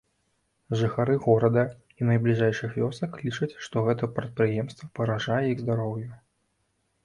Жыхары горада і найбліжэйшых вёсак лічаць, што гэтае прадпрыемства пагражае іх здароўю.